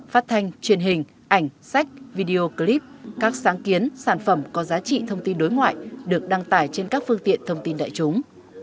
phát thanh truyền hình ảnh sách video clip các sáng kiến sản phẩm có giá trị thông tin đối ngoại được đăng tải trên các phương tiện thông tin đại chúng